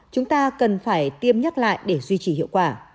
chúng ta cần phải tiêm nhắc lại để duy trì hiệu quả